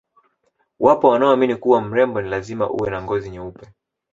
Wapo wanaoamini kuwa mrembo ni lazima uwe na ngozi nyeupe